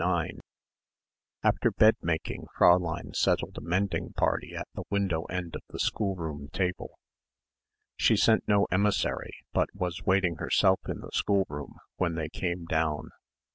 9 After bed making, Fräulein settled a mending party at the window end of the schoolroom table. She sent no emissary but was waiting herself in the schoolroom when they came down.